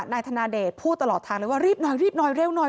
นายธนาเดชน์พูดตลอดทางเลยว่ารีบหน่อย